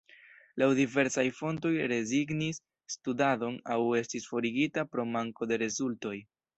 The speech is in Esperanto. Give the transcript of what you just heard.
Laŭ diversaj fontoj rezignis studadon aŭ estis forigita pro manko de rezultoj.